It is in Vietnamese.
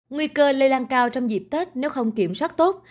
nguy cơ lây lan cao trong dịp tết nếu không kiểm soát tốt